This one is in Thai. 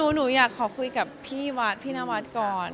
หนูอยากขอคุยกับพี่วัดพี่นวัดก่อน